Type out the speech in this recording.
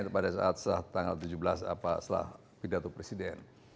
pada saat tanggal tujuh belas setelah pidato presiden